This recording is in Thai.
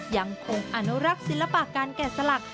ยังคงอนุรักษ์ศิลปะการแกะสลัก